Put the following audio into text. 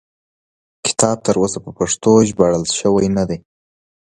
کتاب تر اوسه په پښتو ژباړل شوی نه دی.